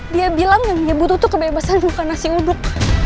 dia bilang yang dia butuh tuh kebebasan bukan nasi uduk